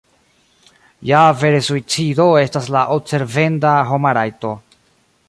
Ja vere suicido estas la observenda homa rajto!